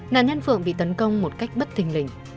nạn nhân phượng bị tấn công một cách bất thình lình